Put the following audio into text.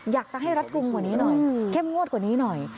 อยากจะให้รัดกลุ่มกว่านี้หน่อยเข้มงวดกว่านี้หน่อย